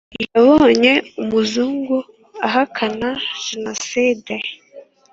Yabonye umuzungu uhakana genoside